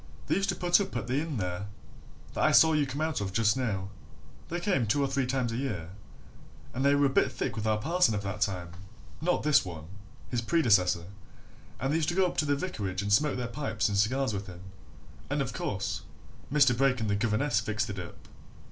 They used to put up at the inn there that I saw you come out of just now. They came two or three times a year and they were a bit thick with our parson of that time not this one: his predecessor and they used to go up to the vicarage and smoke their pipes and cigars with him and of course, Mr. Brake and the governess fixed it up.